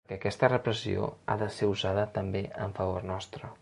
Perquè aquesta repressió ha de ser usada també en favor nostre.